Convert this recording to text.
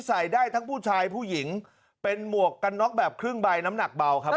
ใส่ได้ทั้งผู้ชายผู้หญิงเป็นหมวกกันน็อกแบบครึ่งใบน้ำหนักเบาครับ